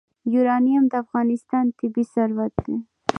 یورانیم د افغانستان طبعي ثروت دی.